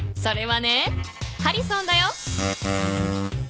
それはねハリソンだよ。